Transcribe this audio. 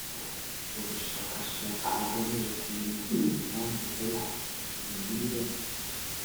ubushakashatsi bugamije kumenya impamvu hari ubujurire